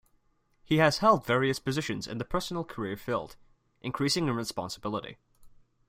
He has held various positions in the personnel career field, increasing in responsibility.